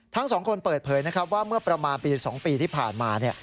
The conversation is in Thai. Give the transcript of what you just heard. ทั้งสองคนเปิดเผยนะครับว่าเมื่อประมาณปี๒ปีที่ผ่านมา